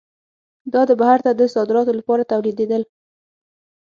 دا د بهر ته صادراتو لپاره تولیدېدل.